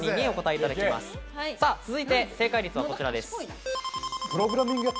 続いて正解率はこちらです。